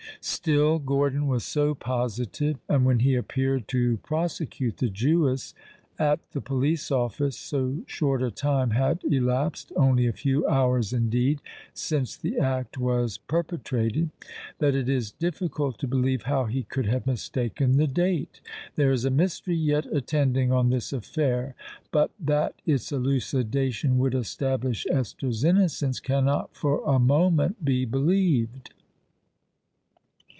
Still Gordon was so positive—and, when he appeared to prosecute the Jewess at the police office, so short a time had elapsed—only a few hours, indeed—since the act was perpetrated, that it is difficult to believe how he could have mistaken the date! There is a mystery yet attending on this affair;—but that its elucidation would establish Esther's innocence, cannot for a moment be believed!"